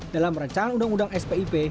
dalam rancangan undang undang spip